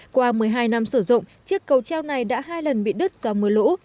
qua một mươi hai năm sử dụng chiếc cầu treo này đã hai lần bị đứt do mưa lũ